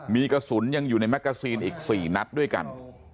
มีกระสุนยังอยู่ในแกซีนอีก๔นัดด้วยกัน